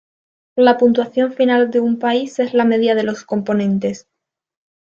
La puntuación final de un país es la media de los componentes.